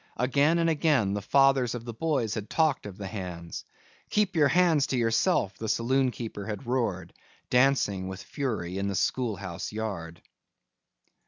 Again and again the fathers of the boys had talked of the hands. "Keep your hands to yourself," the saloon keeper had roared, dancing, with fury in the schoolhouse yard.